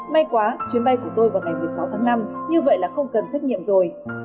may quá chuyến bay của tôi vào ngày một mươi sáu tháng năm như vậy là không cần xét nghiệm rồi